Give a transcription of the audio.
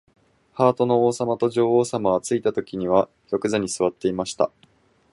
ハートの王さまと女王さまは、ついたときには玉座にすわっていました。